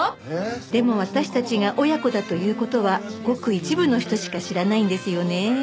でも私たちが親子だという事はごく一部の人しか知らないんですよね